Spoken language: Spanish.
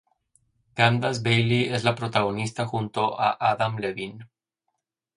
Candace Bailey es la protagonista junto a Adam Levine.